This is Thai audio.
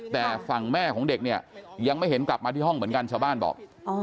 แต่ฝั่งแม่ของเด็กเนี่ยยังไม่เห็นกลับมาที่ห้องเหมือนกันชาวบ้านบอก